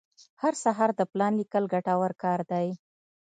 هر سهار د پلان لیکل ګټور کار دی.